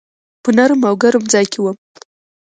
په نرم او ګرم ځای کي وم .